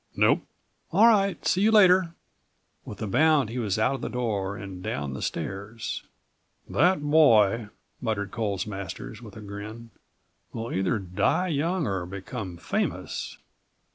"Nope." "All right. See you later." With a bound39 he was out of the door and down the stairs. "That boy," muttered Coles Masters, with a grin, "will either die young or become famous.